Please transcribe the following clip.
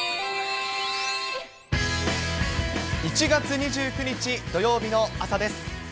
１月２９日土曜日の朝です。